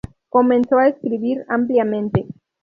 Comenzó a escribir ampliamente.